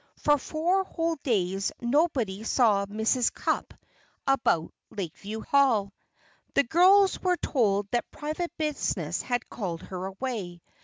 For four whole days nobody saw Mrs. Cupp about Lakeview Hall! The girls were told that private business had called her away.